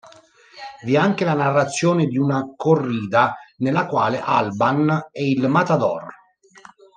Vi è anche la narrazione di una corrida nella quale Alban è il matador.